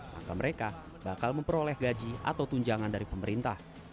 maka mereka bakal memperoleh gaji atau tunjangan dari pemerintah